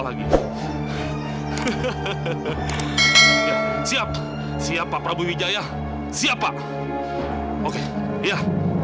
lagi hahaha siap siapa prabu wijaya siapa oke ya